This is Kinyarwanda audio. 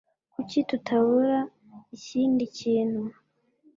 Kuki tutakora ikindi kintu?